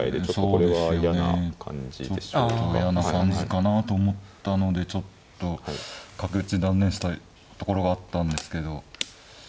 ちょっと嫌な感じかなと思ったのでちょっと角打ち断念したところがあったんですけど。